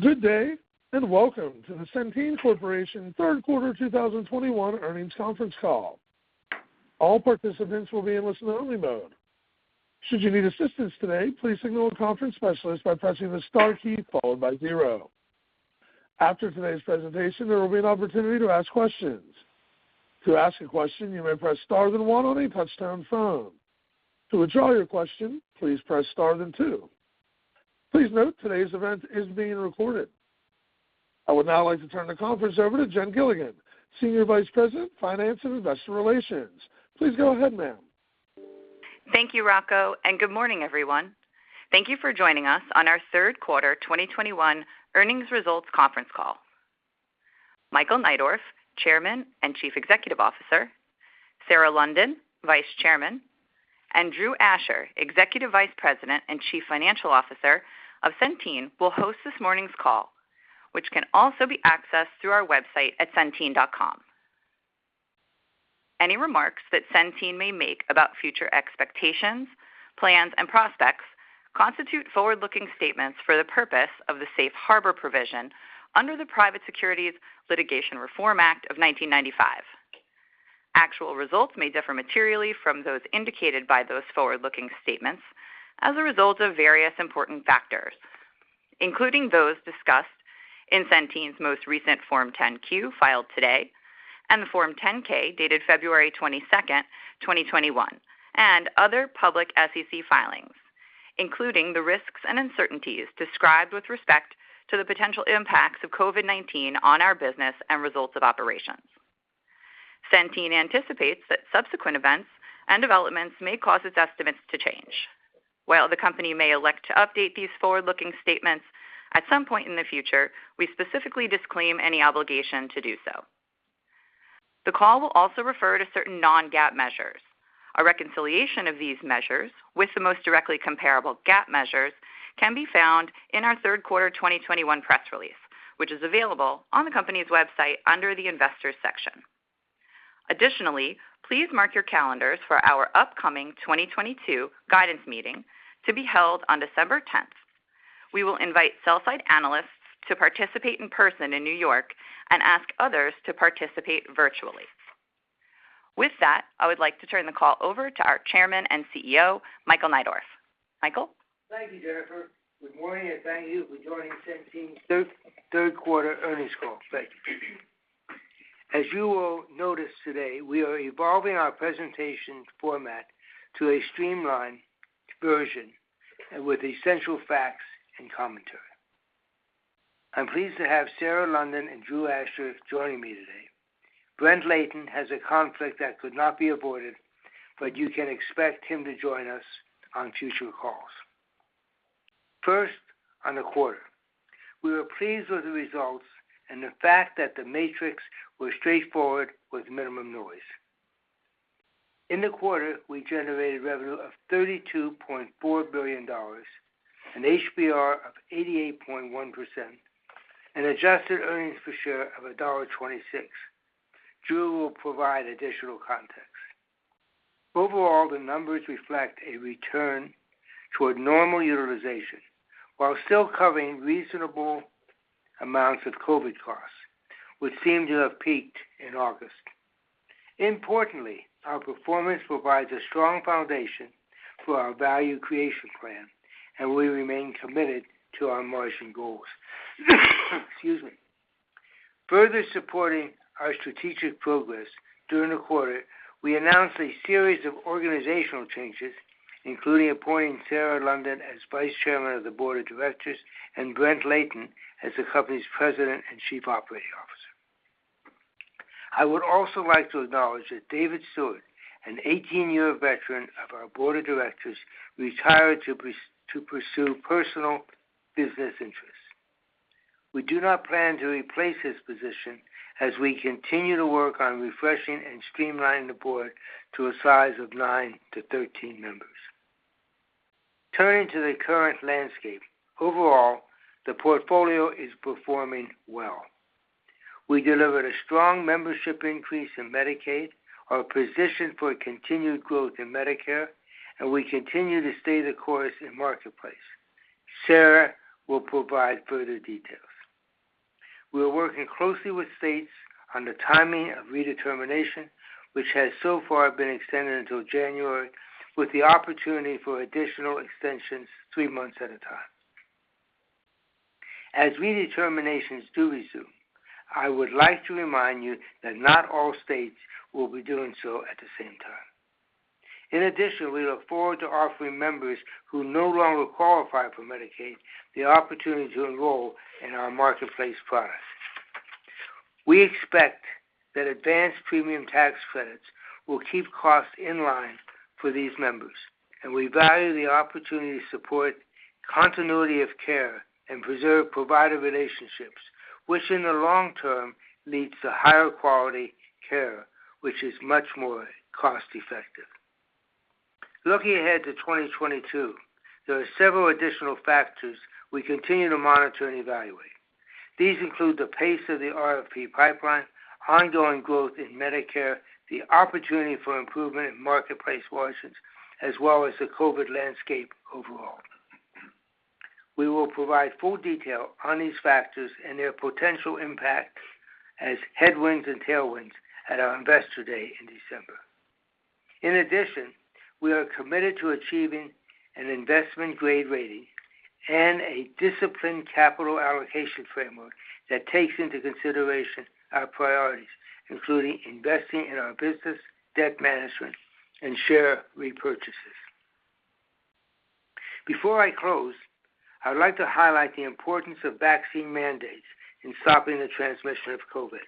Good day, and Welcome to the Centene Corporation Third Quarter 2021 Earnings Conference Call. All participants will be in listen only mode. Should you need assistance today, please signal a conference specialist by pressing the star key followed by zero. After today's presentation, there will be an opportunity to ask questions. To ask a question, you may press star then one on a touch-tone phone. To withdraw your question, please press star then two. Please note today's event is being recorded. I would now like to turn the conference over to Jennifer Gilligan, Senior Vice President, Finance and Investor Relations. Please go ahead, ma'am. Thank you, Rocco, and good morning, everyone. Thank you for joining us on our third quarter 2021 earnings results conference call. Michael Neidorff, Chairman and Chief Executive Officer, Sarah London, Vice Chairman, and Drew Asher, Executive Vice President and Chief Financial Officer of Centene, will host this morning's call, which can also be accessed through our website at centene.com. Any remarks that Centene may make about future expectations, plans and prospects constitute forward-looking statements for the purpose of the safe harbor provision under the Private Securities Litigation Reform Act of 1995. Actual results may differ materially from those indicated by those forward-looking statements as a result of various important factors, including those discussed in Centene's most recent Form 10-Q filed today and the Form 10-K, dated February 22, 2021, and other public SEC filings, including the risks and uncertainties described with respect to the potential impacts of COVID-19 on our business and results of operations. Centene anticipates that subsequent events and developments may cause its estimates to change. While the company may elect to update these forward-looking statements at some point in the future, we specifically disclaim any obligation to do so. The call will also refer to certain non-GAAP measures. A reconciliation of these measures with the most directly comparable GAAP measures can be found in our third quarter 2021 press release, which is available on the company's website under the Investors section. Additionally, please mark your calendars for our upcoming 2022 guidance meeting to be held on December 10. We will invite sell-side analysts to participate in person in New York and ask others to participate virtually. With that, I would like to turn the call over to our Chairman and CEO, Michael Neidorff. Michael. Thank you, Jennifer. Good morning, and thank you for joining Centene's third quarter earnings call. Thank you. As you will notice today, we are evolving our presentation format to a streamlined version with essential facts and commentary. I'm pleased to have Sarah London and Drew Asher joining me today. Brent Layton has a conflict that could not be avoided, but you can expect him to join us on future calls. First, on the quarter. We were pleased with the results and the fact that the metrics was straightforward with minimum noise. In the quarter, we generated revenue of $32.4 billion, an HBR of 88.1%, an adjusted earnings per share of $1.26. Drew will provide additional context. Overall, the numbers reflect a return toward normal utilization while still covering reasonable amounts of COVID costs, which seem to have peaked in August. Importantly, our performance provides a strong foundation for our Value Creation plan, and we remain committed to our margin goals. Excuse me. Further supporting our strategic progress during the quarter, we announced a series of organizational changes, including appointing Sarah London as Vice Chairman of the Board of Directors and Brent Layton as the company's President and Chief Operating Officer. I would also like to acknowledge that David Steward, an 18-year veteran of our board of directors, retired to pursue personal business interests. We do not plan to replace his position as we continue to work on refreshing and streamlining the board to a size of nine to 13 members. Turning to the current landscape. Overall, the portfolio is performing well. We delivered a strong membership increase in Medicaid, are positioned for continued growth in Medicare, and we continue to stay the course in Marketplace. Sarah will provide further details. We are working closely with states on the timing of redetermination, which has so far been extended until January, with the opportunity for additional extensions three months at a time. As redeterminations do resume, I would like to remind you that not all states will be doing so at the same time. In addition, we look forward to offering members who no longer qualify for Medicaid the opportunity to enroll in our Marketplace product. We expect that advanced premium tax credits will keep costs in line for these members, and we value the opportunity to support continuity of care and preserve provider relationships, which in the long term leads to higher quality care, which is much more cost-effective. Looking ahead to 2022, there are several additional factors we continue to monitor and evaluate. These include the pace of the RFP pipeline, ongoing growth in Medicare, the opportunity for improvement in marketplace margins, as well as the COVID landscape overall. We will provide full detail on these factors and their potential impact as headwinds and tailwinds at our Investor Day in December. In addition, we are committed to achieving an investment-grade rating and a disciplined capital allocation framework that takes into consideration our priorities, including investing in our business, debt management, and share repurchases. Before I close, I'd like to highlight the importance of vaccine mandates in stopping the transmission of COVID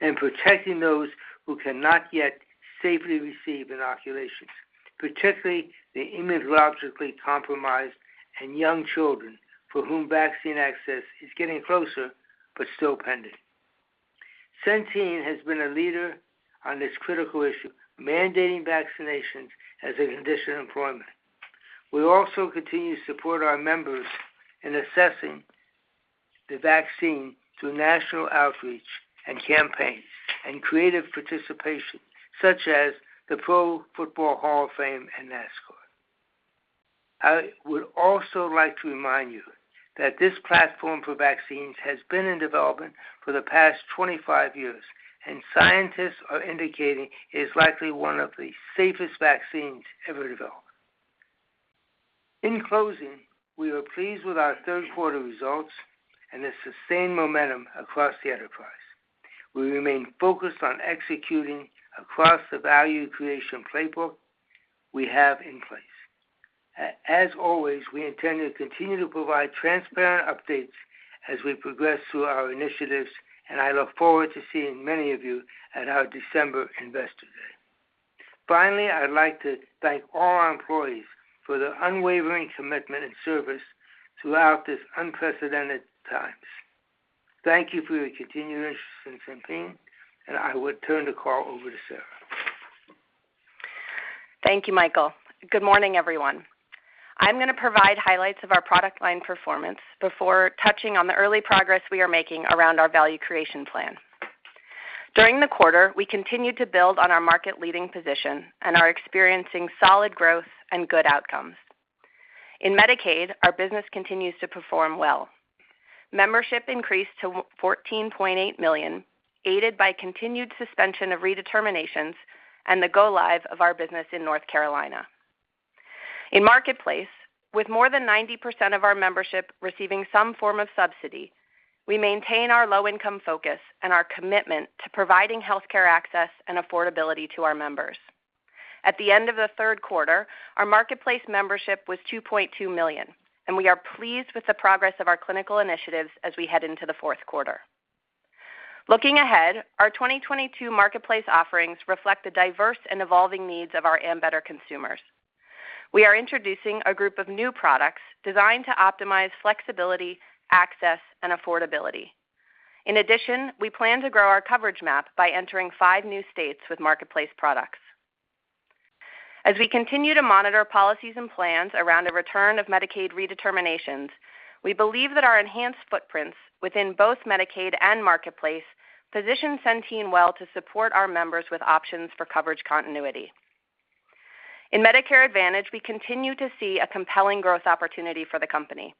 and protecting those who cannot yet safely receive inoculations, particularly the immunologically compromised and young children for whom vaccine access is getting closer but still pending. Centene has been a leader on this critical issue, mandating vaccinations as a condition of employment. We also continue to support our members in assessing the vaccine through national outreach and campaigns and creative participation, such as the Pro Football Hall of Fame and NASCAR. I would also like to remind you that this platform for vaccines has been in development for the past 25 years, and scientists are indicating it is likely one of the safest vaccines ever developed. In closing, we are pleased with our third quarter results and the sustained momentum across the enterprise. We remain focused on executing across the value creation playbook we have in place. As always, we intend to continue to provide transparent updates as we progress through our initiatives, and I look forward to seeing many of you at our December Investor Day. Finally, I'd like to thank all our employees for their unwavering commitment and service throughout these unprecedented times. Thank you for your continued interest in Centene, and I would turn the call over to Sarah. Thank you Michael. Good morning, everyone. I'm gonna provide highlights of our product line performance before touching on the early progress we are making around our value creation plan. During the quarter, we continued to build on our market-leading position and are experiencing solid growth and good outcomes. In Medicaid, our business continues to perform well. Membership increased to 14.8 million, aided by continued suspension of redeterminations and the go-live of our business in North Carolina. In Marketplace, with more than 90% of our membership receiving some form of subsidy, we maintain our low-income focus and our commitment to providing healthcare access and affordability to our members. At the end of the third quarter, our Marketplace membership was 2.2 million, and we are pleased with the progress of our clinical initiatives as we head into the fourth quarter. Looking ahead, our 2022 Marketplace offerings reflect the diverse and evolving needs of our Ambetter consumers. We are introducing a group of new products designed to optimize flexibility, access, and affordability. In addition, we plan to grow our coverage map by entering five new states with Marketplace products. As we continue to monitor policies and plans around the return of Medicaid redeterminations, we believe that our enhanced footprints within both Medicaid and Marketplace position Centene well to support our members with options for coverage continuity. In Medicare Advantage, we continue to see a compelling growth opportunity for the company.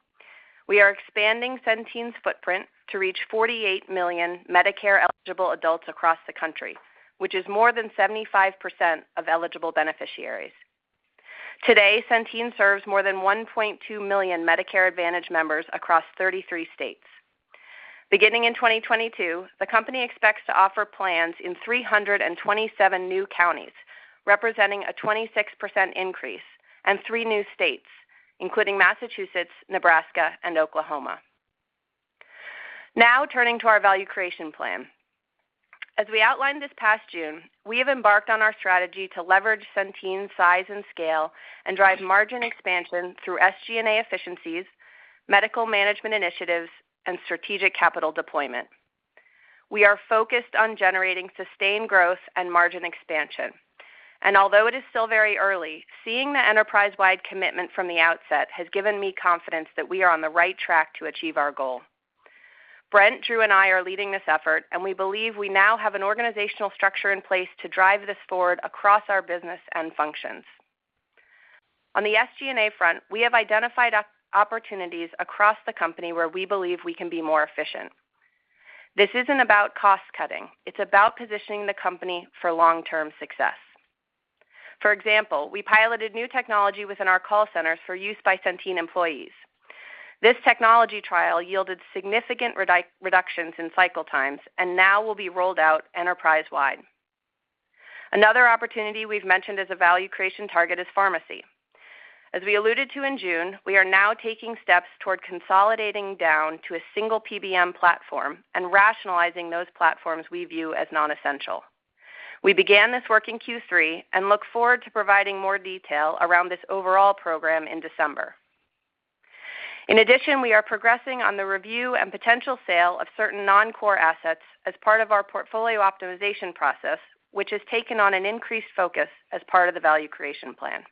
We are expanding Centene's footprint to reach 48 million Medicare-eligible adults across the country, which is more than 75% of eligible beneficiaries. Today, Centene serves more than 1.2 million Medicare Advantage members across 33 states. Beginning in 2022, the company expects to offer plans in 327 new counties, representing a 26% increase, and three new states, including Massachusetts, Nebraska, and Oklahoma. Now turning to our value creation plan. As we outlined this past June, we have embarked on our strategy to leverage Centene's size and scale and drive margin expansion through SG&A efficiencies, medical management initiatives, and strategic capital deployment. We are focused on generating sustained growth and margin expansion. Although it is still very early, seeing the enterprise-wide commitment from the outset has given me confidence that we are on the right track to achieve our goal. Brent, Drew, and I are leading this effort, and we believe we now have an organizational structure in place to drive this forward across our business and functions. On the SG&A front, we have identified opportunities across the company where we believe we can be more efficient. This isn't about cost-cutting. It's about positioning the company for long-term success. For example, we piloted new technology within our call centers for use by Centene employees. This technology trial yielded significant reductions in cycle times and now will be rolled out enterprise-wide. Another opportunity we've mentioned as a value creation target is pharmacy. As we alluded to in June, we are now taking steps toward consolidating down to a single PBM platform and rationalizing those platforms we view as non-essential. We began this work in Q3 and look forward to providing more detail around this overall program in December. In addition, we are progressing on the review and potential sale of certain non-core assets as part of our portfolio optimization process, which has taken on an increased focus as part of the value creation plan.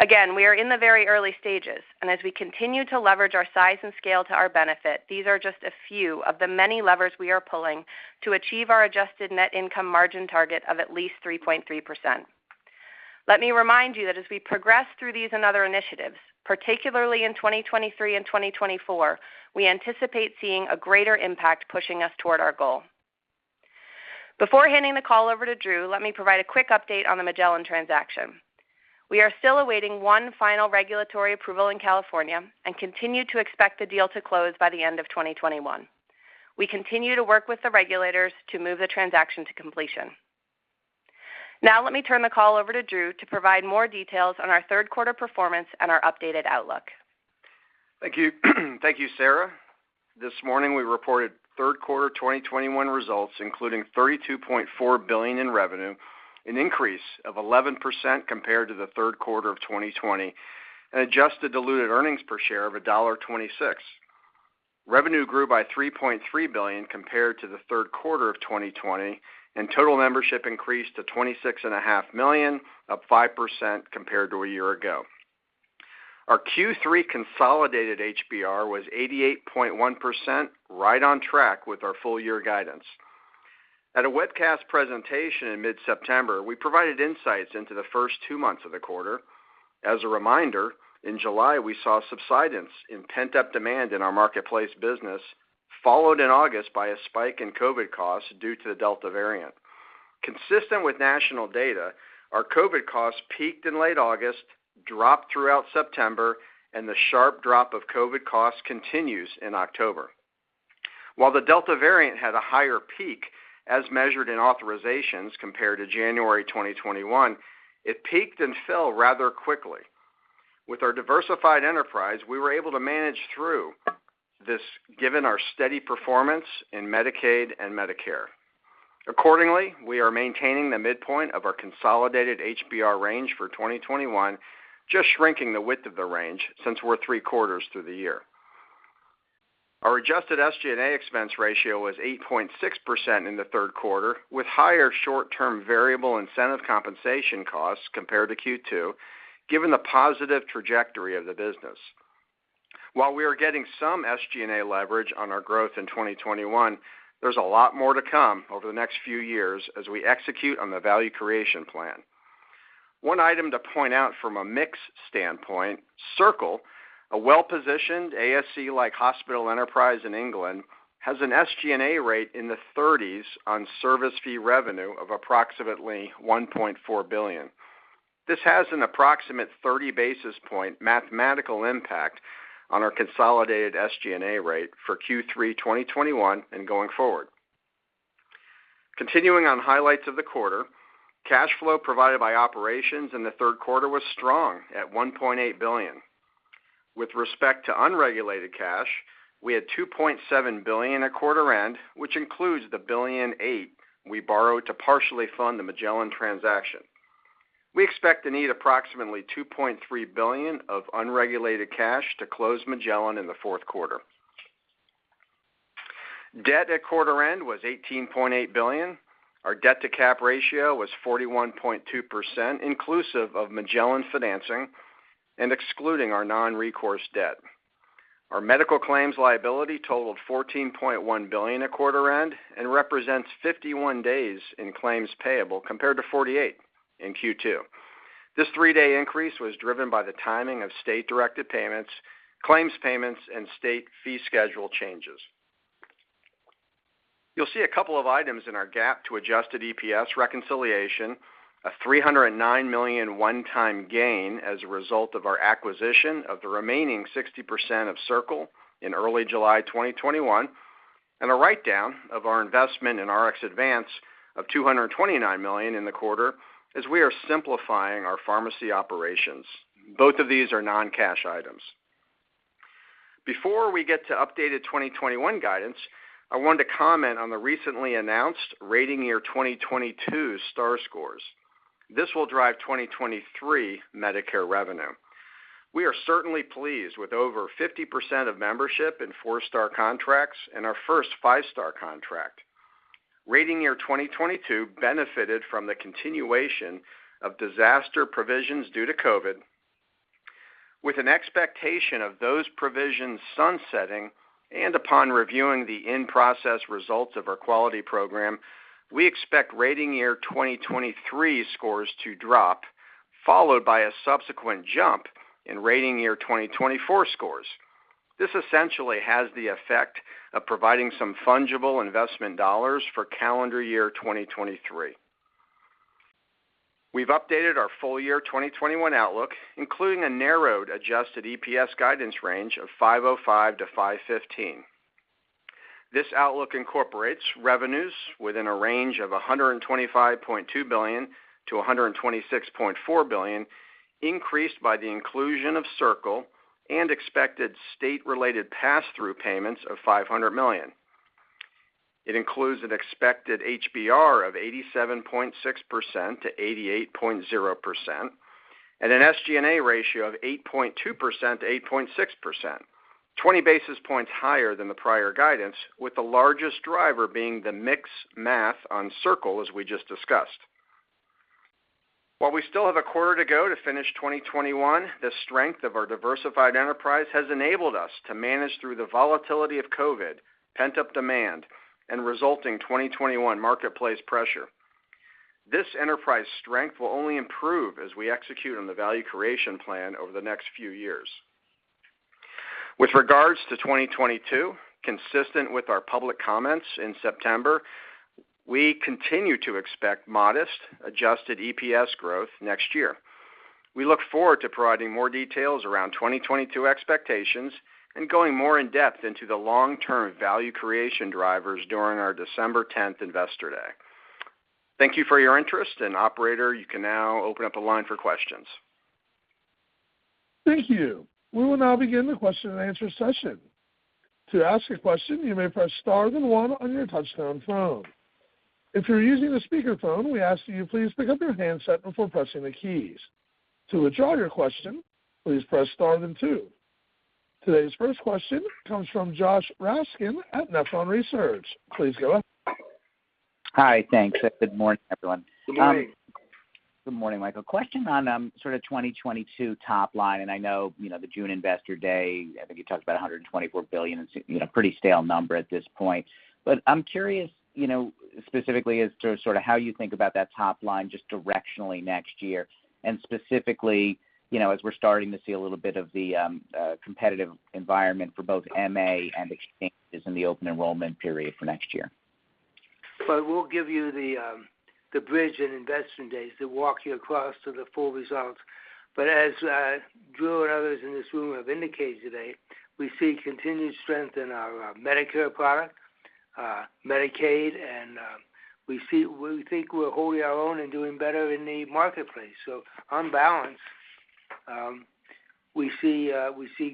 Again, we are in the very early stages, and as we continue to leverage our size and scale to our benefit, these are just a few of the many levers we are pulling to achieve our adjusted net income margin target of at least 3.3%. Let me remind you that as we progress through these and other initiatives, particularly in 2023 and 2024, we anticipate seeing a greater impact pushing us toward our goal. Before handing the call over to Drew, let me provide a quick update on the Magellan transaction. We are still awaiting one final regulatory approval in California and continue to expect the deal to close by the end of 2021. We continue to work with the regulators to move the transaction to completion. Now, let me turn the call over to Drew to provide more details on our third quarter performance and our updated outlook. Thank you. Thank you, Sarah. This morning, we reported third quarter 2021 results, including $32.4 billion in revenue, an increase of 11% compared to the third quarter of 2020, and adjusted diluted earnings per share of $1.26. Revenue grew by $3.3 billion compared to the third quarter of 2020, and total membership increased to 26.5 million, up 5% compared to a year ago. Our Q3 consolidated HBR was 88.1%, right on track with our full year guidance. At a webcast presentation in mid-September, we provided insights into the first two months of the quarter. As a reminder, in July, we saw subsidence in pent-up demand in our Marketplace business, followed in August by a spike in COVID costs due to the Delta variant. Consistent with national data, our COVID costs peaked in late August, dropped throughout September, and the sharp drop of COVID costs continues in October. While the Delta variant had a higher peak as measured in authorizations compared to January 2021, it peaked and fell rather quickly. With our diversified enterprise, we were able to manage through this given our steady performance in Medicaid and Medicare. Accordingly, we are maintaining the midpoint of our consolidated HBR range for 2021, just shrinking the width of the range since we're three quarters through the year. Our adjusted SG&A Expense Ratio was 8.6% in the third quarter, with higher short-term variable incentive compensation costs compared to Q2, given the positive trajectory of the business. While we are getting some SG&A leverage on our growth in 2021, there's a lot more to come over the next few years as we execute on the value creation plan. One item to point out from a mix standpoint, Circle, a well-positioned ASC-like hospital enterprise in England, has an SG&A rate in the 30s on service fee revenue of approximately $1.4 billion. This has an approximate 30 basis points mathematical impact on our consolidated SG&A rate for Q3 2021 and going forward. Continuing on highlights of the quarter, cash flow provided by operations in the third quarter was strong at $1.8 billion. With respect to unregulated cash, we had $2.7 billion at quarter end, which includes the $1.8 billion we borrowed to partially fund the Magellan transaction. We expect to need approximately $2.3 billion of unregulated cash to close Magellan in the fourth quarter. Debt at quarter end was $18.8 billion. Our debt-to-cap ratio was 41.2%, inclusive of Magellan financing and excluding our non-recourse debt. Our medical claims liability totaled $14.1 billion at quarter end and represents 51 Days in Claims Payable compared to 48 in Q2. This three-day increase was driven by the timing of state-directed payments, claims payments, and state fee schedule changes. You'll see a couple of items in our GAAP to adjusted EPS reconciliation, a $309 million one-time gain as a result of our acquisition of the remaining 60% of Circle in early July 2021, and a write-down of our investment in RxAdvance of $229 million in the quarter as we are simplifying our pharmacy operations. Both of these are non-cash items. Before we get to updated 2021 guidance, I wanted to comment on the recently announced rating year 2022 star scores. This will drive 2023 Medicare revenue. We are certainly pleased with over 50% of membership in four-star contracts and our first five-star contract. Rating year 2022 benefited from the continuation of disaster provisions due to COVID. With an expectation of those provisions sunsetting and upon reviewing the in-process results of our quality program, we expect rating year 2023 scores to drop, followed by a subsequent jump in rating year 2024 scores. This essentially has the effect of providing some fungible investment dollars for calendar year 2023. We've updated our full year 2021 outlook, including a narrowed adjusted EPS guidance range of $5.05-$5.15. This outlook incorporates revenues within a range of $125.2 billion-$126.4 billion, increased by the inclusion of Circle and expected state-related passthrough payments of $500 million. It includes an expected HBR of 87.6%-88.0% and an SG&A ratio of 8.2%-8.6%. 20 basis points higher than the prior guidance, with the largest driver being the mix math on Circle, as we just discussed. While we still have a quarter to go to finish 2021, the strength of our diversified enterprise has enabled us to manage through the volatility of COVID, pent-up demand, and resulting 2021 Marketplace pressure. This enterprise strength will only improve as we execute on the value creation plan over the next few years. With regards to 2022, consistent with our public comments in September, we continue to expect modest adjusted EPS growth next year. We look forward to providing more details around 2022 expectations and going more in depth into the long-term value creation drivers during our December 10 investor day. Thank you for your interest, and operator, you can now open up a line for questions. Thank you. We will now begin the question and answer session. To ask a question, you may press star then one on your touchtone phone. If you're using the speaker phone, we ask that you please pick up your handset before pressing the keys. To withdraw your question, please press star then two. Today's first question comes from Josh Raskin at Nephron Research. Please go ahead. Hi. Thanks. Good mornIng, everyone. Good morning. Good morning, Michael. Question on sort of 2022 top line, and I know, you know, the June investor day, I think you talked about $124 billion. It's, you know, pretty stale number at this point. I'm curious, you know, specifically as to sort of how you think about that top line just directionally next year, and specifically, you know, as we're starting to see a little bit of the competitive environment for both MA and exchanges in the open enrollment period for next year. I will give you the bridge in Investor Days to walk you across to the full results. As Drew and others in this room have indicated today, we see continued strength in our Medicare product, Medicaid, and we think we're holding our own and doing better in the Marketplace. On balance, we see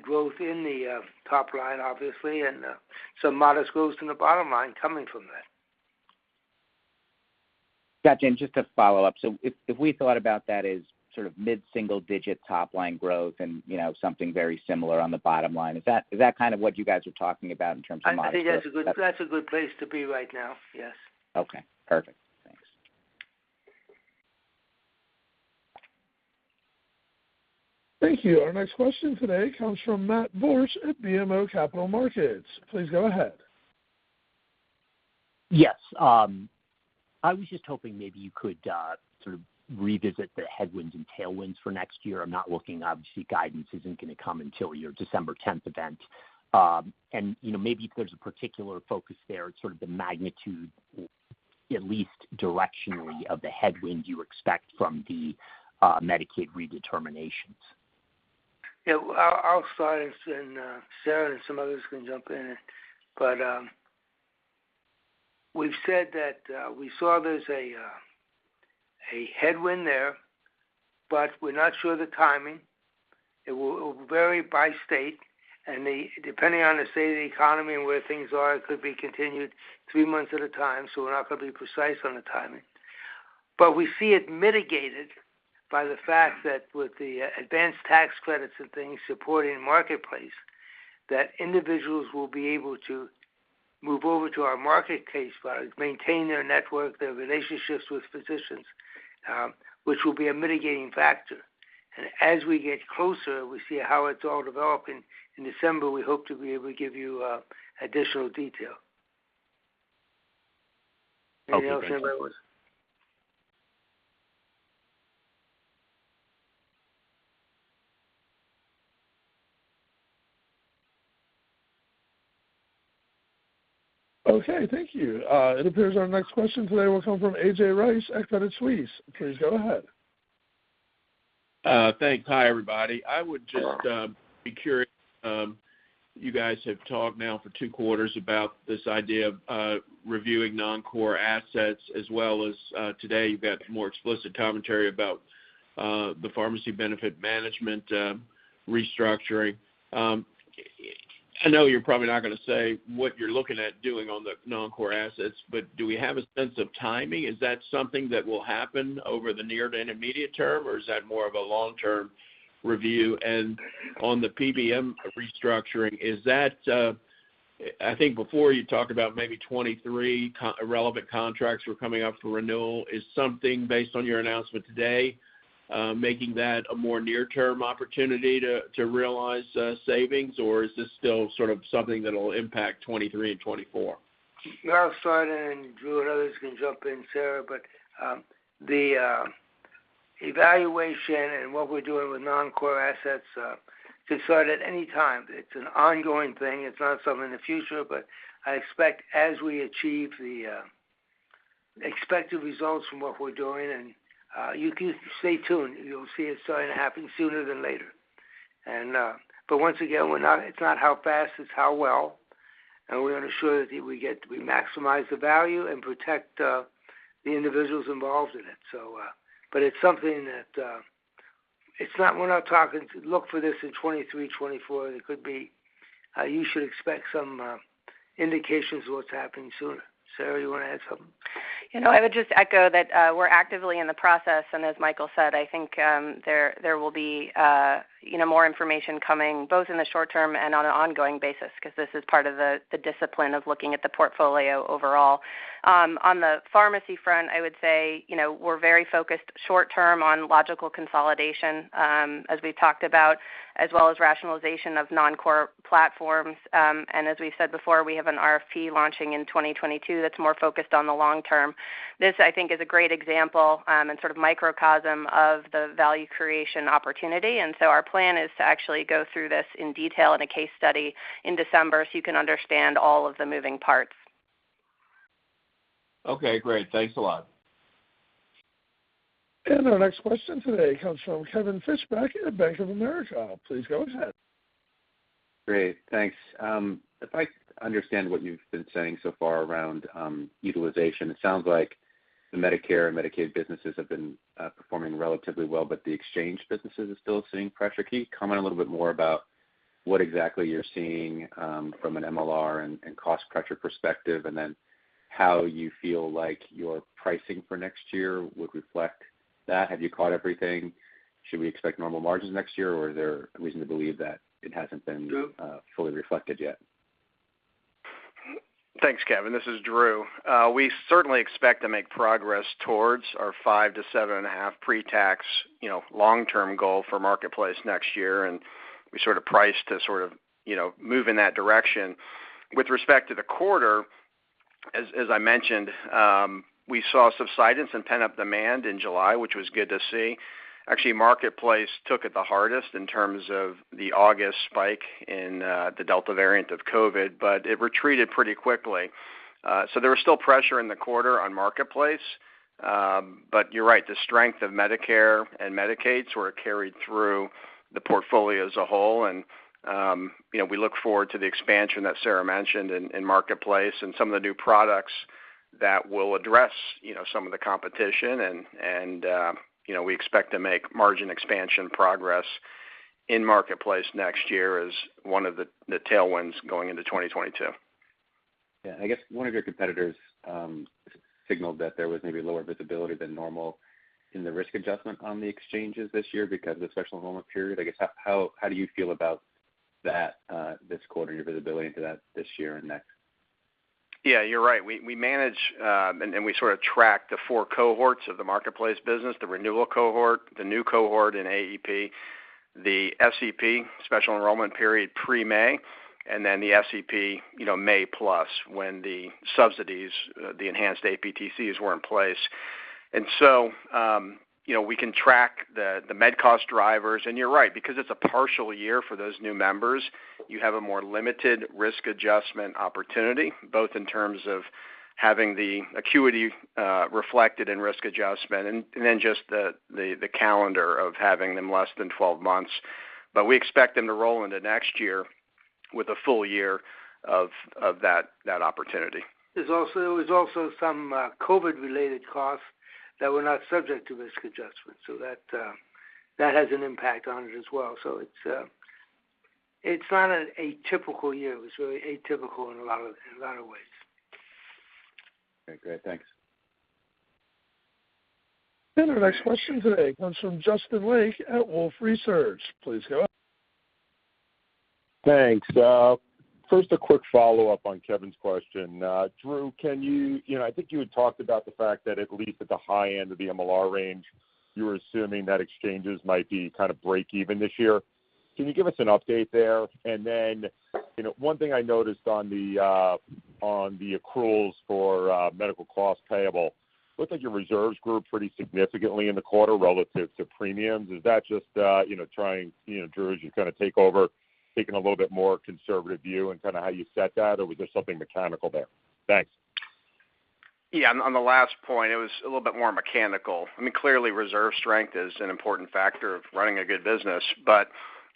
growth in the top line, obviously, and some modest growth in the bottom line coming from that. Got you. Just to follow up. If we thought about that as sort of mid-single digit top line growth and, you know, something very similar on the bottom line, is that kind of what you guys are talking about in terms of modest growth? I think that's a good place to be right now. Yes. Okay. Perfect. Thanks. Thank you. Our next question today comes from Matt Borsch at BMO Capital Markets. Please go ahead. Yes. I was just hoping maybe you could sort of revisit the headwinds and tailwinds for next year. I'm not looking, obviously, guidance isn't gonna come until your December 10th event. You know, maybe if there's a particular focus there, sort of the magnitude, at least directionally, of the headwind you expect from the Medicaid redeterminations. Yeah. I'll start and Sarah and some others can jump in. We've said that we saw there's a headwind there, but we're not sure of the timing. It will vary by state, and depending on the state of the economy and where things are, it could be continued three months at a time, so we're not gonna be precise on the timing. We see it mitigated by the fact that with the advanced tax credits and things supporting Marketplace, that individuals will be able to move over to our Marketplace files, maintain their network, their relationships with physicians, which will be a mitigating factor. As we get closer, we see how it's all developing. In December, we hope to be able to give you additional detail. Okay, thanks. Okay, thank you. It appears our next question today will come from A.J. Rice, Credit Suisse. Please go ahead. Thanks. Hi, everybody. I would just be curious. You guys have talked now for two quarters about this idea of reviewing non-core assets as well as today you've got more explicit commentary about the pharmacy benefit management restructuring. I know you're probably not gonna say what you're looking at doing on the non-core assets, but do we have a sense of timing? Is that something that will happen over the near to intermediate term, or is that more of a long-term review? On the PBM restructuring, is that I think before you talked about maybe 23 relevant contracts were coming up for renewal. Is something based on your announcement today making that a more near-term opportunity to realize savings, or is this still sort of something that'll impact 2023 and 2024? Yeah. I'll start, and Drew and others can jump in, Sarah. The evaluation and what we're doing with non-core assets can start at any time. It's an ongoing thing. It's not something in the future, but I expect as we achieve the expected results from what we're doing, and you can stay tuned. You'll see it starting to happen sooner than later. Once again, it's not how fast, it's how well, and we want to ensure that we maximize the value and protect the individuals involved in it. It's something that we're not talking to look for this in 2023-2024. It could be you should expect some indications of what's happening sooner. Sarah, you want to add something? You know, I would just echo that, we're actively in the process, and as Michael said, I think, there will be, you know, more information coming, both in the short term and on an ongoing basis, 'cause this is part of the discipline of looking at the portfolio overall. On the pharmacy front, I would say, you know, we're very focused short term on logical consolidation, as we talked about, as well as rationalization of non-core platforms. And as we said before, we have an RFP launching in 2022 that's more focused on the long term. This, I think, is a great example, and sort of microcosm of the value creation opportunity. Our plan is to actually go through this in detail in a case study in December, so you can understand all of the moving parts. Okay, great. Thanks a lot. Our next question today comes from Kevin Fischbeck at Bank of America. Please go ahead. Great, thanks. If I understand what you've been saying so far around utilization, it sounds like the Medicare and Medicaid businesses have been performing relatively well, but the exchange businesses are still seeing pressure. Can you comment a little bit more about what exactly you're seeing from an MLR and cost pressure perspective, and then how you feel like your pricing for next year would reflect that? Have you caught everything? Should we expect normal margins next year, or is there a reason to believe that it hasn't been fully reflected yet? Thanks, Kevin. This is Drew. We certainly expect to make progress towards our 5%-7.5% pre-tax, you know, long-term goal for Marketplace next year, and we sort of priced to sort of, you know, move in that direction. With respect to the quarter, as I mentioned, we saw a subsidence in pent-up demand in July, which was good to see. Actually, Marketplace took it the hardest in terms of the August spike in the Delta variant of COVID, but it retreated pretty quickly. So there was still pressure in the quarter on Marketplace. But you're right, the strength of Medicare and Medicaid sort of carried through the portfolio as a whole. You know, we look forward to the expansion that Sarah mentioned in Marketplace and some of the new products that will address, you know, some of the competition. You know, we expect to make margin expansion progress in Marketplace next year as one of the tailwinds going into 2022. Yeah. I guess one of your competitors signaled that there was maybe lower visibility than normal in the risk adjustment on the exchanges this year because of the special enrollment period. I guess, how do you feel about that, this quarter, your visibility into that this year and next? Yeah, you're right. We manage and we sort of track the four cohorts of the Marketplace business, the renewal cohort, the new cohort in AEP, the SEP, Special Enrollment Period pre-May, and then the SEP, you know, May plus, when the subsidies, the enhanced APTCs were in place. You know, we can track the med cost drivers. You're right, because it's a partial year for those new members, you have a more limited risk adjustment opportunity, both in terms of having the acuity reflected in risk adjustment and then just the calendar of having them less than 12 months. We expect them to roll into next year with a full year of that opportunity. There's also some COVID-related costs that were not subject to risk adjustment, so that has an impact on it as well. It's not an atypical year. It was really atypical in a lot of ways. Okay, great. Thanks. Our next question today comes from Justin Lake at Wolfe Research. Please go. Thanks. First, a quick follow-up on Kevin's question. Drew, you know, I think you had talked about the fact that at least at the high end of the MLR range, you were assuming that exchanges might be kind of break even this year. Can you give us an update there? You know, one thing I noticed on the accruals for medical costs payable looked like your reserves grew pretty significantly in the quarter relative to premiums. Is that just, you know, Drew, as you kind of take over, taking a little bit more conservative view in kind of how you set that, or was there something mechanical there? Thanks. Yeah. On the last point, it was a little bit more mechanical. I mean, clearly reserve strength is an important factor of running a good business, but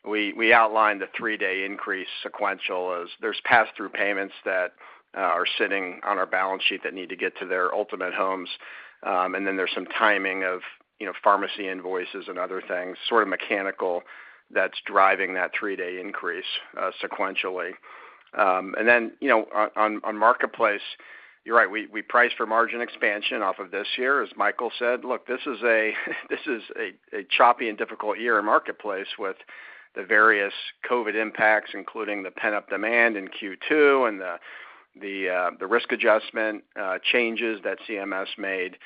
we outlined the three-day increase sequential as there's pass-through payments that are sitting on our balance sheet that need to get to their ultimate homes. Then there's some timing of, you know, pharmacy invoices and other things, sort of mechanical, that's driving that three-day increase sequentially. Then, you know, on Marketplace, you're right, we priced for margin expansion off of this year. As Michael said, look, this is a choppy and difficult year in Marketplace with the various COVID impacts, including the pent-up demand in Q2 and the risk adjustment changes that CMS made,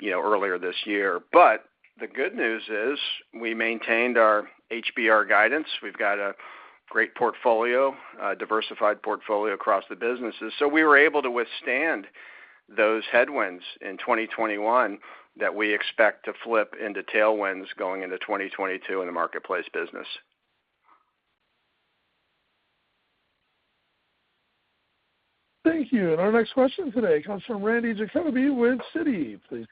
you know, earlier this year. The good news is we maintained our HBR guidance. We've got a great portfolio, a diversified portfolio across the businesses. We were able to withstand those headwinds in 2021 that we expect to flip into tailwinds going into 2022 in the Marketplace business. Thank you. Our next question today comes from Ralph Giacobbe with Citi. Please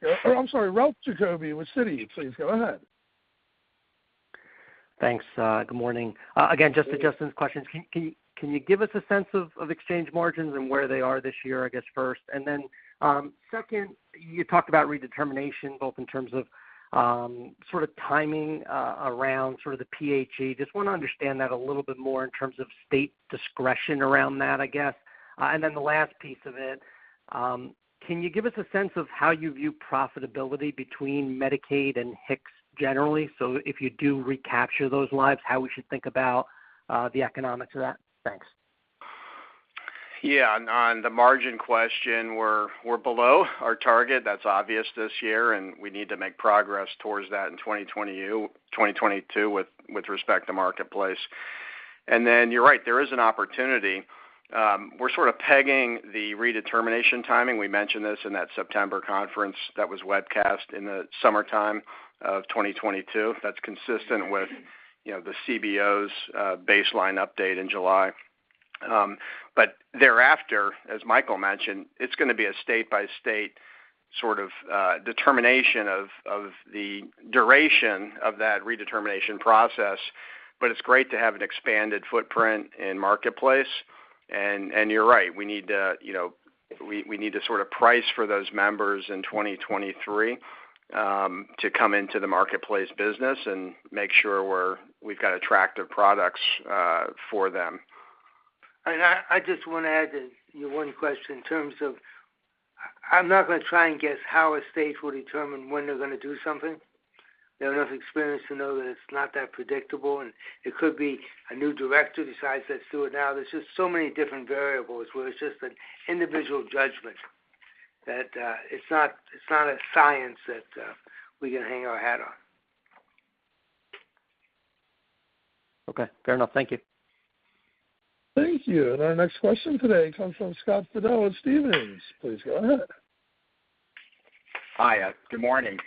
go ahead. Thanks. Good morning. Again, just to Justin's questions, can you give us a sense of exchange margins and where they are this year, I guess, first? Then, you talked about redetermination both in terms of sort of timing around sort of the PHE. Just want to understand that a little bit more in terms of state discretion around that, I guess. And then the last piece of it, can you give us a sense of how you view profitability between Medicaid and HIX generally? So if you do recapture those lives, how we should think about the economics of that? Thanks. Yeah. On the margin question, we're below our target. That's obvious this year, and we need to make progress towards that in 2022 with respect to marketplace. Then you're right, there is an opportunity. We're sort of pegging the redetermination timing. We mentioned this in that September conference that was webcast in the summertime of 2022. That's consistent with the CBO's baseline update in July. But thereafter, as Michael mentioned, it's gonna be a state-by-state sort of determination of the duration of that redetermination process. But it's great to have an expanded footprint in marketplace. You're right, we need to, you know, sort of price for those members in 2023 to come into the Marketplace business and make sure we've got attractive products for them. I just wanna add to your one question in terms of I'm not gonna try and guess how a state will determine when they're gonna do something. They have enough experience to know that it's not that predictable, and it could be a new director decides, "Let's do it now." There's just so many different variables where it's just an individual judgment that it's not a science that we can hang our hat on. Okay. Fair enough. Thank you. Thank you. Our next question today comes from Scott Fidel of Stephens. Please go ahead. Hi. Good morning.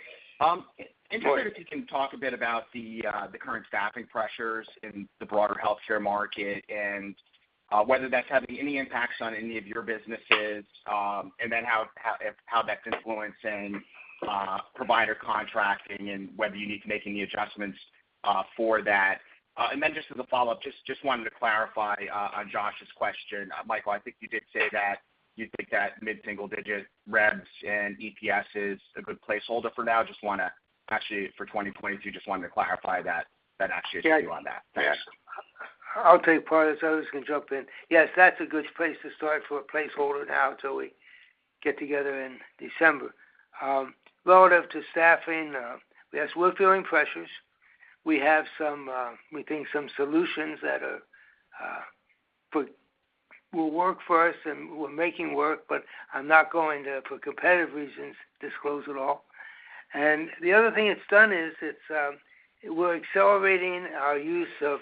Good morning.... if you can talk a bit about the current staffing pressures in the broader healthcare market, and whether that's having any impacts on any of your businesses, and then how that's influencing provider contracting and whether you need to make any adjustments for that. And then just as a follow-up, wanted to clarify on Josh's question. Michael, I think you did say that you think that mid-single digit revs and EPS is a good placeholder for now. Just wanna actually for 2022, wanted to clarify that actually is- Yeah true on that. Thanks. Yeah. I'll take part of this. Others can jump in. Yes, that's a good place to start for a placeholder now till we get together in December. Relative to staffing, yes, we're feeling pressures. We have some, we think some solutions that will work for us and we're making work, but I'm not going to, for competitive reasons, disclose it all. The other thing it's done is it's, we're accelerating our use of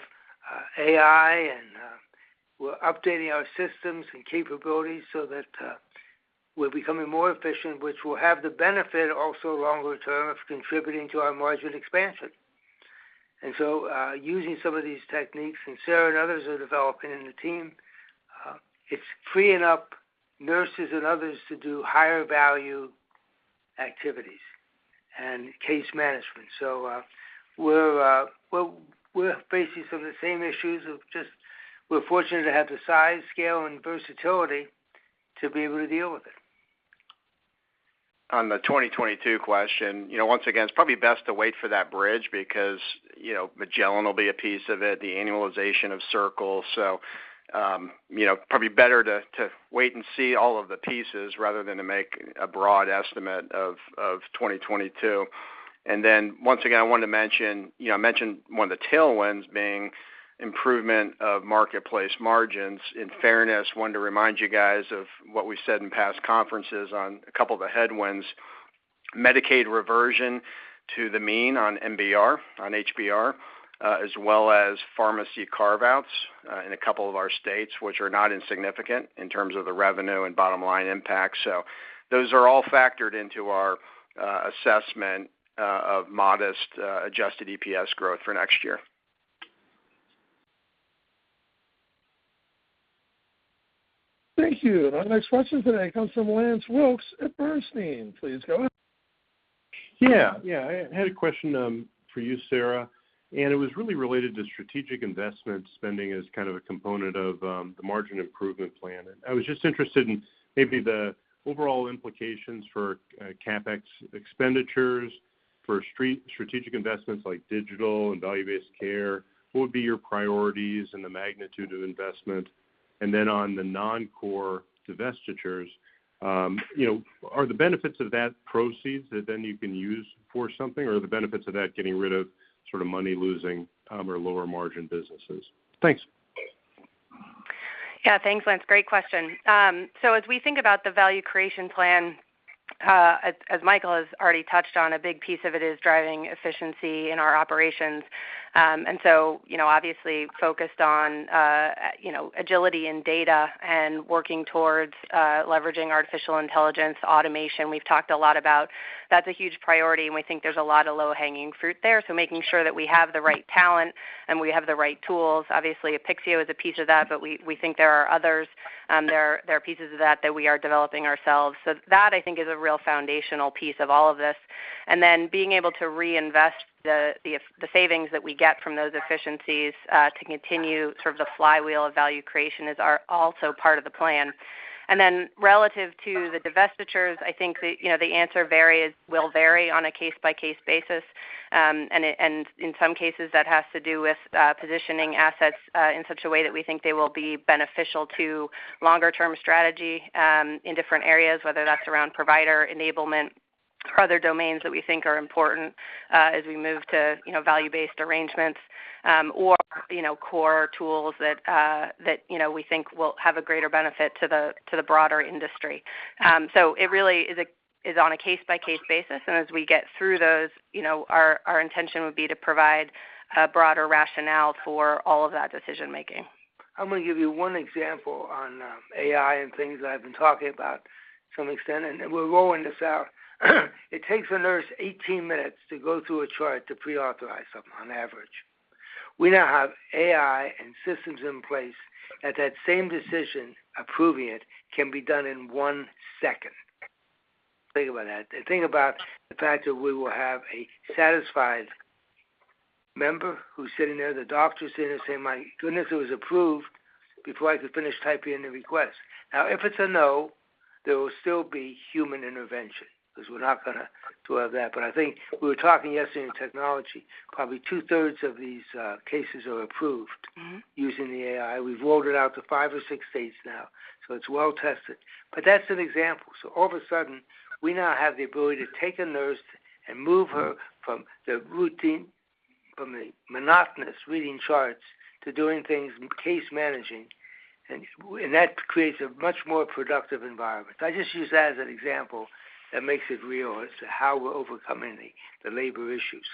AI and we're updating our systems and capabilities so that we're becoming more efficient, which will have the benefit also longer term of contributing to our margin expansion. Using some of these techniques, and Sarah and others are developing in the team, it's freeing up nurses and others to do higher value activities and case management. We're facing some of the same issues of just we're fortunate to have the size, scale, and versatility to be able to deal with it. On the 2022 question, you know, once again, it's probably best to wait for that bridge because, you know, Magellan will be a piece of it, the annualization of Circle. You know, probably better to wait and see all of the pieces rather than to make a broad estimate of 2022. Once again, I wanted to mention, you know, I mentioned one of the tailwinds being improvement of Marketplace margins. In fairness, I wanted to remind you guys of what we said in past conferences on a couple of the headwinds. Medicaid reversion to the mean on MBR, on HBR, as well as pharmacy carve-outs in a couple of our states, which are not insignificant in terms of the revenue and bottom line impact. Those are all factored into our assessment of modest adjusted EPS growth for next year. Thank you. Our next question today comes from Lance Wilkes at Bernstein. Please go ahead. Yeah, I had a question for you, Sarah, and it was really related to strategic investment spending as kind of a component of the margin improvement plan. I was just interested in maybe the overall implications for CapEx expenditures for strategic investments like digital and value-based care. What would be your priorities and the magnitude of investment? Then on the non-core divestitures, you know, are the benefits of the proceeds that then you can use for something, or are the benefits of that getting rid of sort of money-losing or lower margin businesses? Thanks. Yeah. Thanks, Lance. Great question. As we think about the value creation plan, as Michael has already touched on, a big piece of it is driving efficiency in our operations. You know, obviously focused on, you know, agility and data and working towards, leveraging artificial intelligence, automation. We've talked a lot about that. That's a huge priority, and we think there's a lot of low-hanging fruit there. Making sure that we have the right talent and we have the right tools. Obviously, Apixio is a piece of that, but we think there are others. There are pieces of that that we are developing ourselves. That, I think, is a real foundational piece of all of this. Then being able to reinvest the savings that we get from those efficiencies to continue sort of the flywheel of value creation is also part of the plan. Then relative to the divestitures, I think you know the answer will vary on a case-by-case basis. In some cases, that has to do with positioning assets in such a way that we think they will be beneficial to long-term strategy in different areas, whether that's around provider enablement or other domains that we think are important as we move to you know value-based arrangements or you know core tools that you know we think will have a greater benefit to the broader industry. It really is on a case-by-case basis. As we get through those, you know, our intention would be to provide a broader rationale for all of that decision making. I'm gonna give you one example on AI and things that I've been talking about to some extent, and we're rolling this out. It takes a nurse 18 minutes to go through a chart to pre-authorize something on average. We now have AI and systems in place that same decision, approving it, can be done in one second. Think about that. Think about the fact that we will have a satisfied member who's sitting there, the doctor's sitting there saying, "My goodness, it was approved before I could finish typing in the request." Now, if it's a no, there will still be human intervention because we're not gonna do away with that. I think we were talking yesterday in technology, probably 2/3 of these cases are approved- Mm-hmm. Using the AI. We've rolled it out to five or six states now, so it's well tested. That's an example. All of a sudden, we now have the ability to take a nurse and move her from the routine, from the monotonous reading charts to doing things, case managing. That creates a much more productive environment. I just use that as an example that makes it real as to how we're overcoming the labor issues.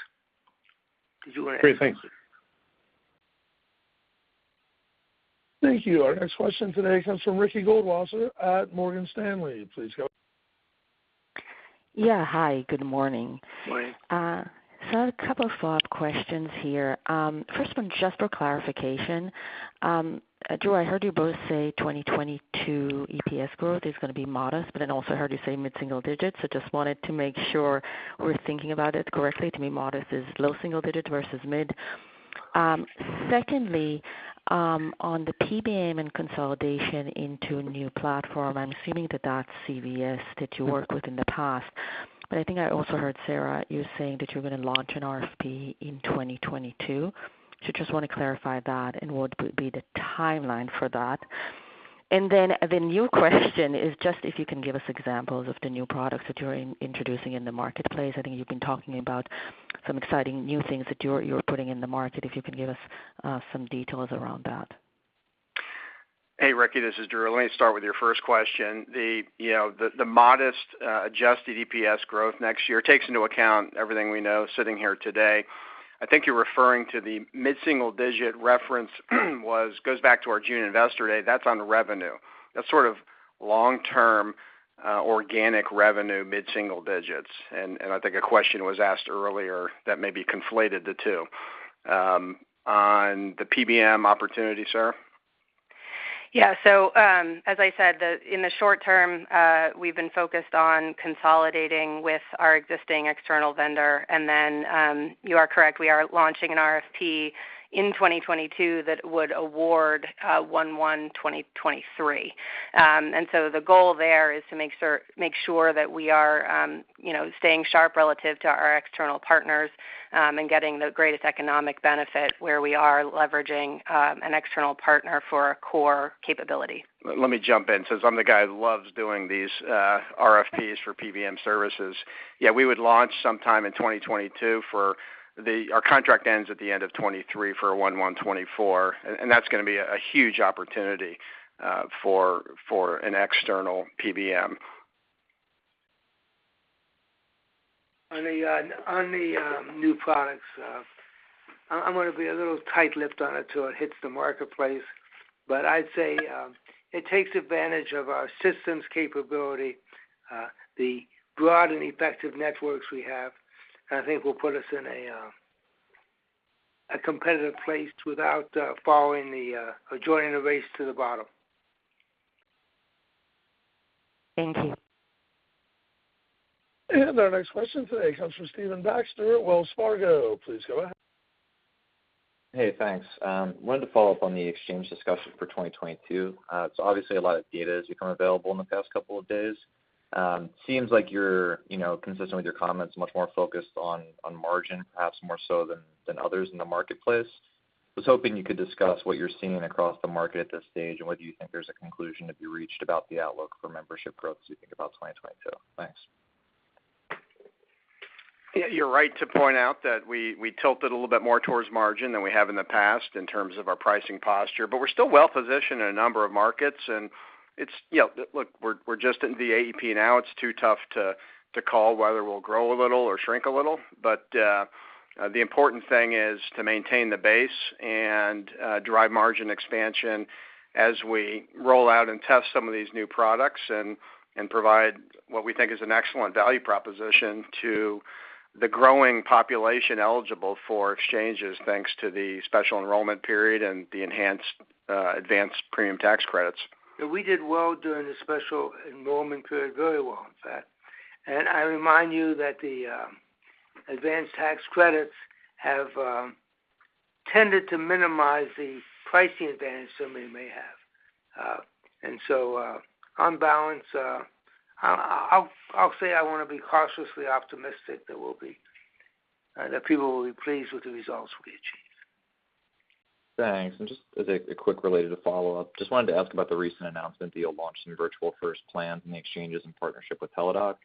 Did you wanna add anything? Great, thanks. Thank you. Our next question today comes from Ricky Goldwasser at Morgan Stanley. Please go ahead. Yeah. Hi, good morning. Morning. A couple of follow-up questions here. First one, just for clarification. Drew, I heard you both say 2022 EPS growth is gonna be modest, but then also heard you say mid-single digits. Just wanted to make sure we're thinking about it correctly. To me, modest is low single digits versus mid. Secondly, on the PBM and consolidation into a new platform, I'm assuming that that's CVS that you worked with in the past. I think I also heard Sarah, you saying that you're gonna launch an RFP in 2022. Just wanna clarify that, and what would be the timeline for that? The new question is just if you can give us examples of the new products that you're introducing in the marketplace. I think you've been talking about some exciting new things that you're putting in the market, if you can give us some details around that. Hey, Ricky, this is Drew. Let me start with your first question. The you know the modest adjusted EPS growth next year takes into account everything we know sitting here today. I think you're referring to the mid-single digit reference goes back to our June Investor Day. That's on the revenue. That's sort of long-term organic revenue mid-single digits. I think a question was asked earlier that maybe conflated the two. On the PBM opportunity, Sarah? Yeah. As I said, in the short term, we've been focused on consolidating with our existing external vendor. You are correct, we are launching an RFP in 2022 that would award in 2023. The goal there is to make sure that we are, you know, staying sharp relative to our external partners, and getting the greatest economic benefit where we are leveraging an external partner for a core capability. Let me jump in, since I'm the guy who loves doing these RFPs for PBM services. Yeah, we would launch sometime in 2022, our contract ends at the end of 2023 for a January 1, 2024, and that's gonna be a huge opportunity for an external PBM. On the new products, I'm gonna be a little tight-lipped on it till it hits the Marketplace. I'd say it takes advantage of our systems capability, the broad and effective networks we have, and I think will put us in a competitive place without following or joining the race to the bottom. Thank you. Our next question today comes from Stephen Baxter at Wells Fargo. Please go ahead. Hey, thanks. I wanted to follow up on the exchange discussion for 2022. Obviously a lot of data has become available in the past couple of days. Seems like you're, you know, consistent with your comments, much more focused on margin, perhaps more so than others in the Marketplace. I was hoping you could discuss what you're seeing across the market at this stage, and whether you think there's a conclusion to be reached about the outlook for membership growth as you think about 2022. Thanks. Yeah, you're right to point out that we tilted a little bit more towards margin than we have in the past in terms of our pricing posture, but we're still well positioned in a number of markets, and you know, look, we're just into the AEP now. It's too tough to call whether we'll grow a little or shrink a little. The important thing is to maintain the base and drive margin expansion as we roll out and test some of these new products and provide what we think is an excellent value proposition to the growing population eligible for exchanges, thanks to the special enrollment period and the enhanced advanced premium tax credits. We did well during the special enrollment period, very well, in fact. I remind you that the advanced tax credits have tended to minimize the pricing advantage somebody may have. On balance, I'll say I wanna be cautiously optimistic that people will be pleased with the results we achieve. Thanks. Just as a quick related follow-up, just wanted to ask about the recent announcement that you'll launch some virtual first plans and the exchanges in partnership with Teladoc.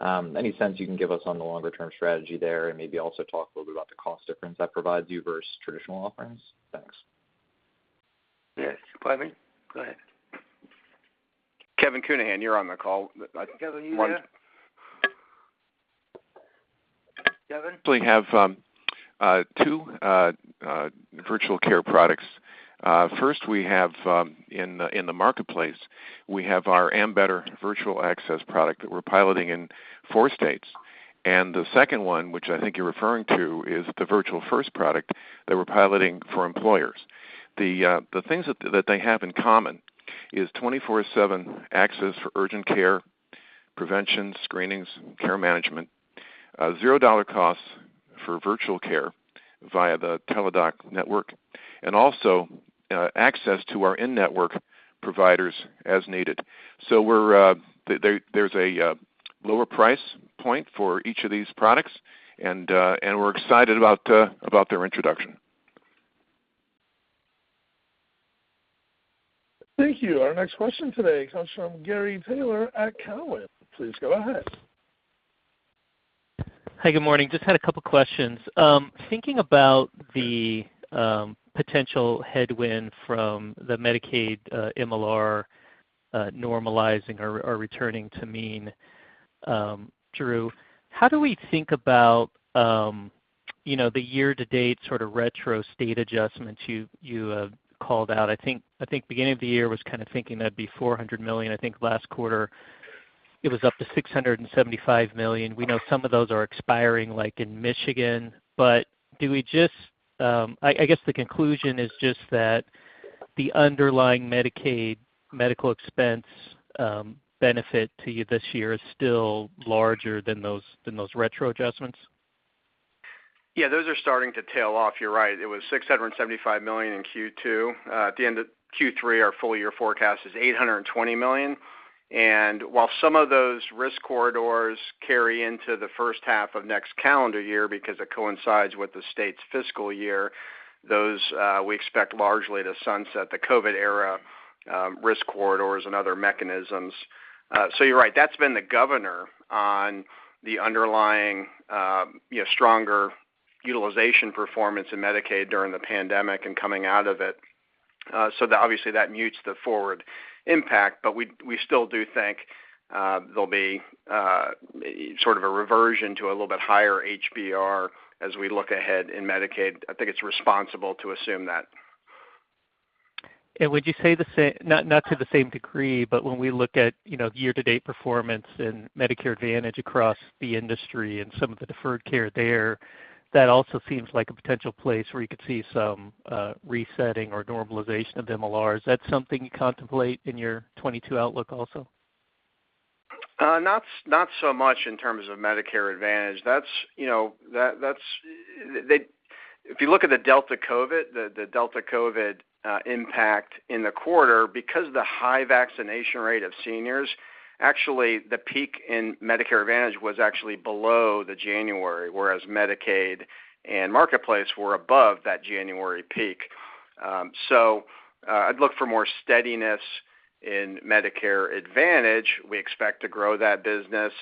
Any sense you can give us on the longer-term strategy there, and maybe also talk a little bit about the cost difference that provides you versus traditional offerings? Thanks. Yes. Kevin, go ahead. Kevin Counihan, you're on the call. Kevin, are you there? Kevin? We have two virtual care products. First, we have in the Marketplace our Ambetter Virtual Access product that we're piloting in four states. The second one, which I think you're referring to, is the Virtual First product that we're piloting for employers. The things that they have in common is 24/7 access for urgent care, prevention, screenings, care management, $0 costs for virtual care via the Teladoc network, and also access to our in-network providers as needed. There's a lower price point for each of these products, and we're excited about their introduction. Thank you. Our next question today comes from Gary Taylor at Cowen. Please go ahead. Hi, good morning. Just had a couple questions. Thinking about the potential headwind from the Medicaid MLR normalizing or returning to mean, Drew, how do we think about, you know, the year-to-date sort of retro state adjustments you called out? I think beginning of the year was kind of thinking that'd be $400 million. I think last quarter it was up to $675 million. We know some of those are expiring, like in Michigan. Do we just? I guess the conclusion is just that the underlying Medicaid medical expense benefit to you this year is still larger than those retro adjustments. Yeah, those are starting to tail off. You're right. It was $675 million in Q2. At the end of Q3, our full year forecast is $820 million. While some of those risk corridors carry into the first half of next calendar year because it coincides with the state's fiscal year, those we expect largely to sunset the COVID era risk corridors and other mechanisms. You're right. That's been the governor on the underlying, you know, stronger utilization performance in Medicaid during the pandemic and coming out of it. That obviously mutes the forward impact, but we still do think there'll be sort of a reversion to a little bit higher HBR as we look ahead in Medicaid. I think it's responsible to assume that. Would you say the same? Not to the same degree, but when we look at, you know, year-to-date performance in Medicare Advantage across the industry and some of the deferred care there, that also seems like a potential place where you could see some resetting or normalization of MLR. Is that something you contemplate in your 2022 outlook also? Not so much in terms of Medicare Advantage. If you look at the Delta COVID impact in the quarter, because of the high vaccination rate of seniors, actually, the peak in Medicare Advantage was actually below the January, whereas Medicaid and Marketplace were above that January peak. I'd look for more steadiness in Medicare Advantage. We expect to grow that business.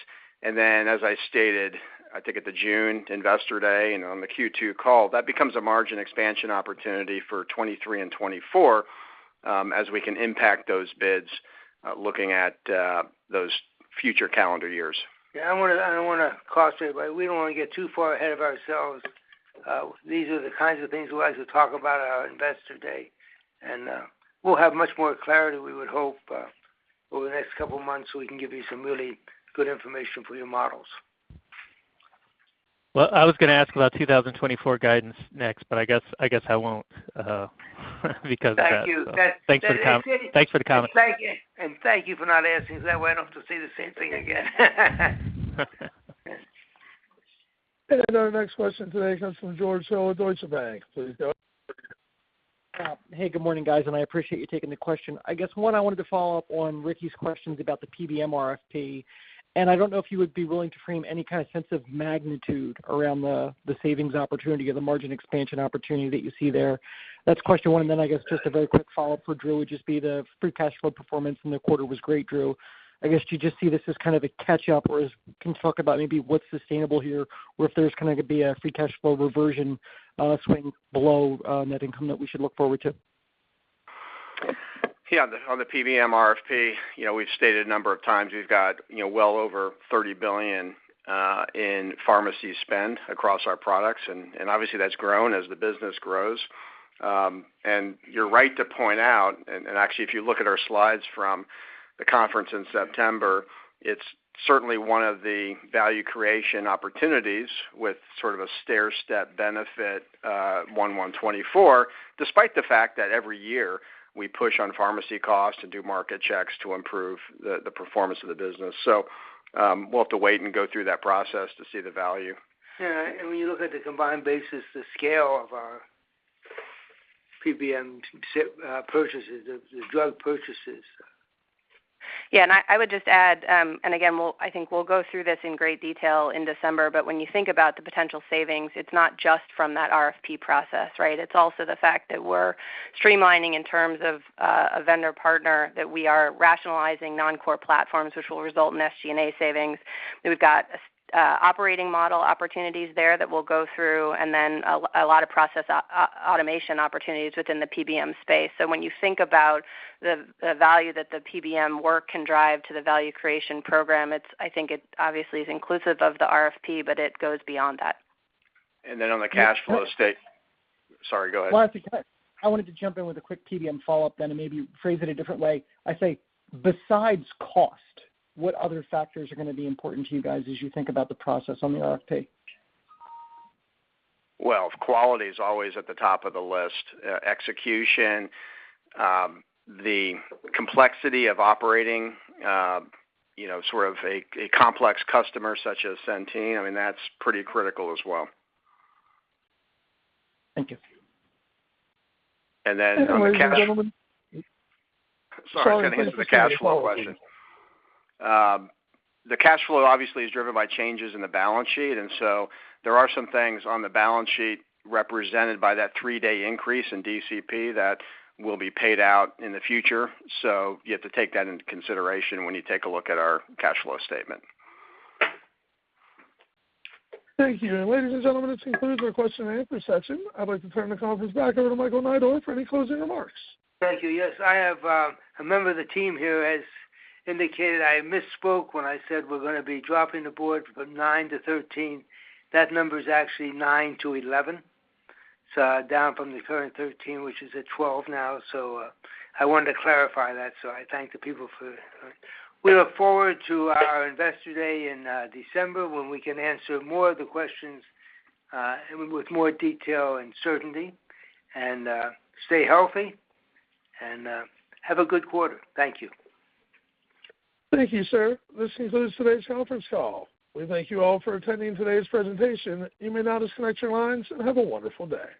As I stated, I think at the June Investor Day and on the Q2 call, that becomes a margin expansion opportunity for 2023 and 2024, as we can impact those bids, looking at those future calendar years. Yeah, I wanna, I don't wanna cost anybody. We don't wanna get too far ahead of ourselves. These are the kinds of things we like to talk about at our Investor Day, and we'll have much more clarity, we would hope, over the next couple of months, so we can give you some really good information for your models. Well, I was gonna ask about 2024 guidance next, but I guess I won't, because of that. Thank you. Thanks for the com- That's it. Thanks for the comment. Thank you. Thank you for not asking 'cause I went off to say the same thing again. Our next question today comes from George Hill at Deutsche Bank. Please go ahead. Hey, good morning, guys, and I appreciate you taking the question. I guess one, I wanted to follow up on Ricky's questions about the PBM RFP. I don't know if you would be willing to frame any kind of sense of magnitude around the savings opportunity or the margin expansion opportunity that you see there. That's question one. I guess just a very quick follow-up for Drew would just be the free cash flow performance in the quarter was great, Drew. I guess, do you just see this as kind of a catch up, or can you talk about maybe what's sustainable here, or if there's gonna be a free cash flow reversion, swing below, net income that we should look forward to? Yeah. On the PBM RFP, you know, we've stated a number of times we've got, you know, well over $30 billion in pharmacy spend across our products, and obviously that's grown as the business grows. You're right to point out, and actually, if you look at our slides from the conference in September, it's certainly one of the value creation opportunities with sort of a stair-step benefit, January 1, 2014, despite the fact that every year we push on pharmacy costs and do market checks to improve the performance of the business. We'll have to wait and go through that process to see the value. Yeah. When you look at the combined basis, the scale of our PBMs purchases, the drug purchases. Yeah, I would just add, and again, I think we'll go through this in great detail in December, but when you think about the potential savings, it's not just from that RFP process, right? It's also the fact that we're streamlining in terms of a vendor partner, that we are rationalizing non-core platforms, which will result in SG&A savings. We've got operating model opportunities there that we'll go through, and then a lot of process automation opportunities within the PBM space. When you think about the value that the PBM work can drive to the value creation program, it's, I think, obviously inclusive of the RFP, but it goes beyond that. Sorry, go ahead. No, I think go ahead. I wanted to jump in with a quick PBM follow-up then and maybe phrase it a different way. I'd say besides cost, what other factors are gonna be important to you guys as you think about the process on the RFP? Well, quality is always at the top of the list. Execution, the complexity of operating, you know, sort of a complex customer such as Centene, I mean, that's pretty critical as well. Thank you. And then on the cash- Ladies and gentlemen. Sorry, here's the cash flow question. The cash flow obviously is driven by changes in the balance sheet, and so there are some things on the balance sheet represented by that three-day increase in DCP that will be paid out in the future. You have to take that into consideration when you take a look at our cash flow statement. Thank you. Ladies and gentlemen, this concludes our question and answer session. I'd like to turn the conference back over to Michael Neidorff for any closing remarks. Thank you. Yes, I have a member of the team here has indicated I misspoke when I said we're gonna be dropping the board from nine to 13. That number is actually nine to 11, so down from the current 13, which is at 12 now. I wanted to clarify that, so I thank the people for that. We look forward to our Investor Day in December when we can answer more of the questions and with more detail and certainty. Stay healthy and have a good quarter. Thank you. Thank you, sir. This concludes today's conference call. We thank you all for attending today's presentation. You may now disconnect your lines, and have a wonderful day.